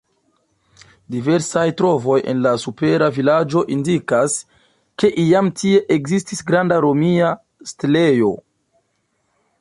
Diversaj trovoj en la supera vilaĝo indikas, ke iam tie ekzistis granda romia setlejo.